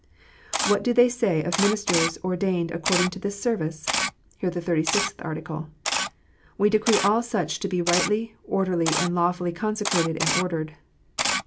What do they say of ministers ordained according to this service ? Hear the Thirty sixth Article :" We decree all such to be rightly, orderly, and lawfully consecrated and ordered."